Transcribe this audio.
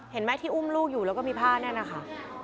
เห็นไหมที่อุ้มลูกอยู่แล้วก็มีผ้านั่นนะคะ